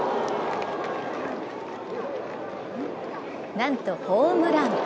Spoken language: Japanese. なんとホームラン。